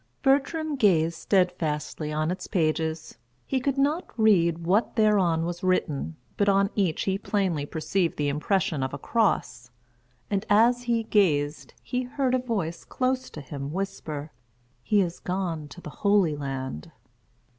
Bertram gazed steadfastly on its pages; he could not read what thereon was written, but on each he plainly perceived the impression of a cross; and as he gazed, he heard a voice close to him whisper, "He is gone to the Holy Land."